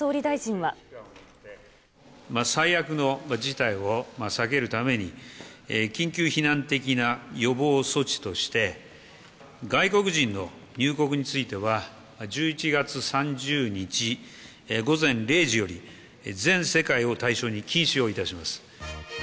最悪の事態を避けるために、緊急避難的な予防措置として、外国人の入国については、１１月３０日午前０時より、全世界を対象に禁止をいたします。